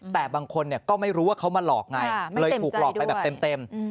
แต่บางคนก็ไม่รู้ว่าเขามาหลอกไงเลยถูกหลอกไปแบบเต็ม